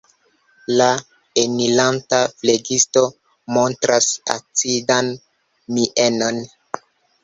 La eniranta flegisto montras acidan mienon.